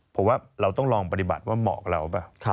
ผมว่าเราต้องลองปฏิบัติว่าเหมาะเราเปล่า